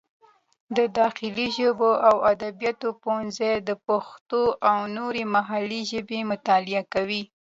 د داخلي ژبو او ادبیاتو پوهنځی د پښتو او نورې محلي ژبې مطالعه کوي.